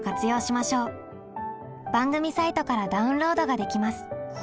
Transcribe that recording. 番組サイトからダウンロードができます。